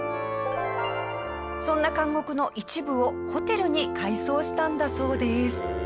そんな監獄の一部をホテルに改装したんだそうです。